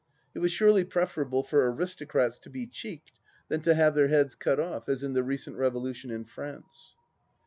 It was surely preferable for aristocrats to be " cheeked " than to have their heads cut off, as in the recent Revolution in France.